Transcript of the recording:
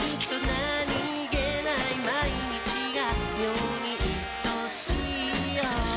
何気ない毎日が妙にいとしいよ